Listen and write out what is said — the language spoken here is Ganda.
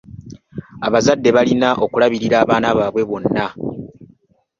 Abazadde balina okulabirira abaana baabwe bonna.